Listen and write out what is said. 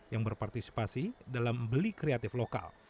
yang berpartisipasi dalam beli kreatif lokal